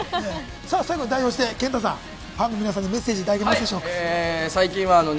最後に代表して、ＫＥＮＴＡさん、ファンの皆さんにメッセージをいただけますでしょうか。